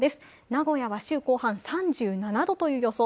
名古屋は３７度という予想。